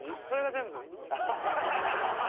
それが全部？